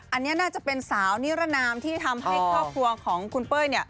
อันนี้น่าจะเป็นสาวนิรนามที่ทำให้ครอบครัวของคุณเป้ย